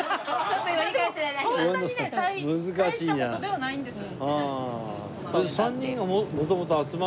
そんなにね大した事ではないんです。